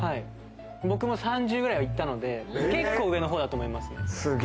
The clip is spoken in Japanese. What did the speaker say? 僕も３０くらいは行ったので、結構、上のほうだと思います。